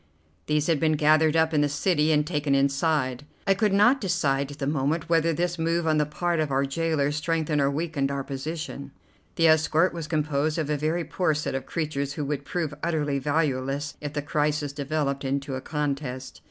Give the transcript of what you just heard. These had been gathered up in the city and taken inside. I could not decide at the moment whether this move on the part of our gaolers strengthened or weakened our position. The escort was composed of a very poor set of creatures who would prove utterly valueless if the crisis developed into a contest.